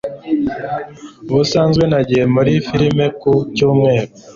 Ubusanzwe nagiye muri firime ku cyumweru.